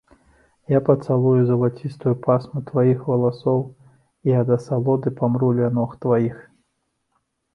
Я пацалую залацістую пасму тваіх валасоў і ад асалоды памру ля ног тваіх.